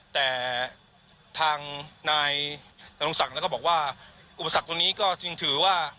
แต่ทางนายนรงศักดิ์ก็บอกว่าอุปสรรคตรงนี้ก็จึงถือว่า